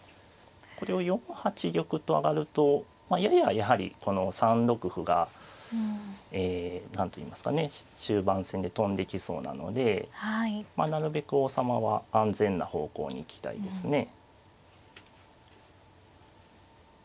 これを４八玉と上がるとやややはりこの３六歩がえ何といいますかね終盤戦で飛んできそうなのでなるべく王様は安全な方向に行きたいですね。